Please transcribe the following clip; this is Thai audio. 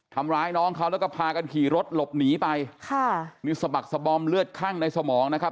ทำร้ายน้องเขาแล้วก็พากันขี่รถหลบหนีไปค่ะนี่สะบักสบอมเลือดคั่งในสมองนะครับ